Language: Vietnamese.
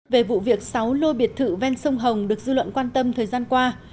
về vụ việc sáu lô biệt thự ven sông hồng được dư luận quan tâm thời gian qua